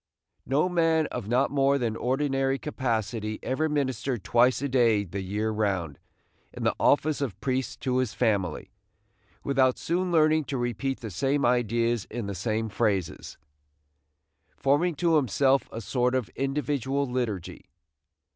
No man of not more than ordinary capacity ever ministered twice a day the year round, in the office of priest to his family, without soon learning to repeat the same ideas in the same phrases, forming to himself a sort of individual liturgy.